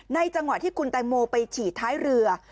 จังหวะที่คุณแตงโมไปฉี่ท้ายเรือ